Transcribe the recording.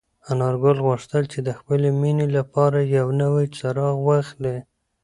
انارګل غوښتل چې د خپلې مېنې لپاره یو نوی څراغ واخلي.